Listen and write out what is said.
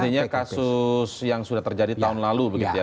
artinya kasus yang sudah terjadi tahun lalu begitu ya